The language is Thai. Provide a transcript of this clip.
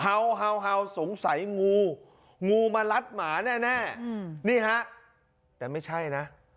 เฮาเฮาเฮาสงสัยงูงูมารัดหมาแน่แน่อืมนี่ฮะแต่ไม่ใช่นะ